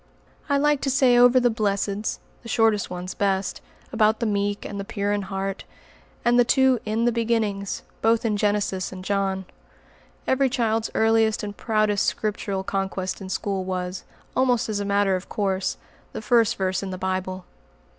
I liked to say over the "Blesseds," the shortest ones best, about the meek and the pure in heart; and the two "In the beginnings," both in Genesis and John. Every child's earliest and proudest Scriptural conquest in school was, almost as a matter of course, the first verse in the Bible.